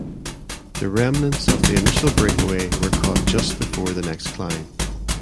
The remnants of the initial breakaway were caught just before the next climb.